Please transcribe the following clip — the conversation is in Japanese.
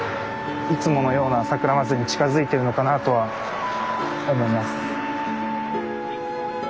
いつものようなさくらまつりに近づいてるのかなとは思います。